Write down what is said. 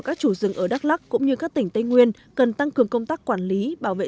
các chủ rừng ở đắk lắc cũng như các tỉnh tây nguyên cần tăng cường công tác quản lý bảo vệ